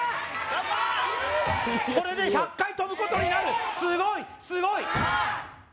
これで１００回跳ぶことになるすごいすごい！